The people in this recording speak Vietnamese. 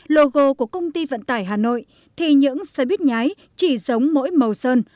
logo của công ty vận tải hà nội thì những xe buýt nhái chỉ giống mỗi màu sơn